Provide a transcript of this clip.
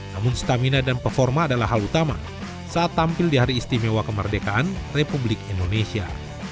namun stamina dan performa adalah hal utama saat tampil di hari istimewa kemerdekaan republik indonesia